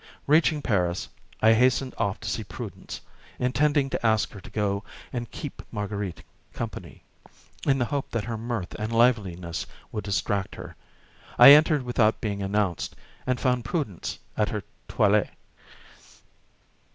Reaching Paris, I hastened off to see Prudence, intending to ask her to go and keep Marguerite company, in the hope that her mirth and liveliness would distract her. I entered without being announced, and found Prudence at her toilet.